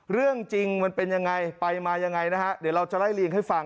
เรื่องจริงมันเป็นยังไงไปมายังไงนะฮะเดี๋ยวเราจะไล่เลี่ยงให้ฟัง